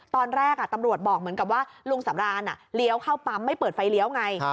ตอนแรกตำรวจบอกเหมือนกับว่าลุงสำรานเลี้ยวเข้าปั๊มไม่เปิดไฟเลี้ยวไง